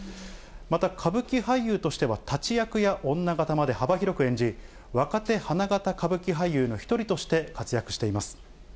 また、歌舞伎俳優としては立役や女形まで幅広く演じ、若手花形歌舞伎俳優の一人として活躍しています。